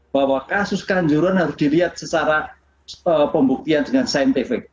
bahwa kasus kanjuruhan harus dilihat secara pembuktian dengan scientific